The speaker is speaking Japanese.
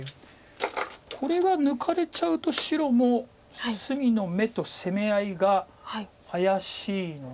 これは抜かれちゃうと白も隅の眼と攻め合いが怪しいので。